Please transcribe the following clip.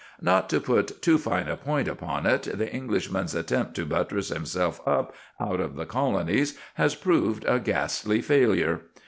Not to put too fine a point upon it, the Englishman's attempt to buttress himself up out of the Colonies has proved a ghastly failure.